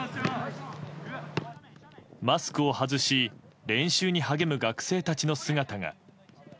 マスクを外し練習に励む学生たちの姿が。